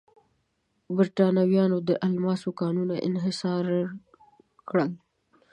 برېټانویانو د الماسو کانونه انحصار کړل.